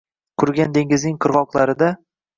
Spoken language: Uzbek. Qurigan dengizning qirgʻoqlarida